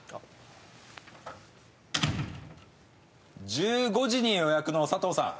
１５時に予約の佐藤さん。